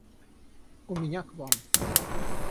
У меня к Вам.